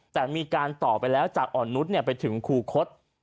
แต่มีการต่อไปแล้วจากอ่อนนุษย์ไปถึงคูคศ